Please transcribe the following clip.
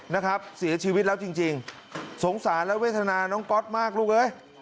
นะครับเสียชีวิตแล้วจริงจริงสงสารและเวทนาน้องก๊อตมากลูกเอ้ย